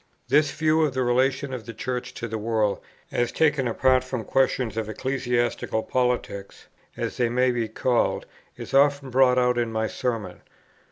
This view of the relation of the Church to the world as taken apart from questions of ecclesiastical politics, as they may be called, is often brought out in my Sermons.